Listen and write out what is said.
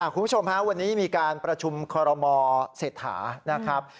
คุณผู้ชมวันนี้มีการประชุมคอรมอเสร็จหา